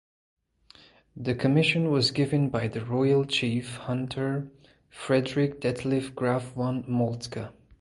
The commission was given by the royal chief hunter Friedrich Detlev Graf von Moltke.